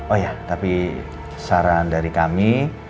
oh ya tapi saran dari kami